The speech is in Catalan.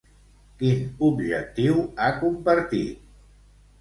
Quin objectiu ha compartit?